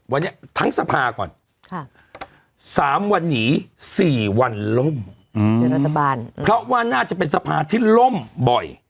วันนี้ทั้งสภาค่ะค่ะสามวันหยิบสี่วันล้มอืมแล้วรัฐบาลเพราะว่าน่าจะเป็นสภาที่ล้มบ่อย